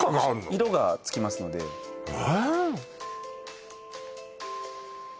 色がつきますのでえっ？